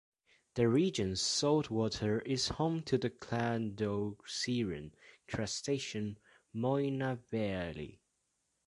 The region's salt water is home to the cladoceran crustacean "Moina belli".